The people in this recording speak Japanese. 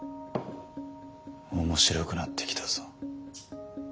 面白くなってきたぞ。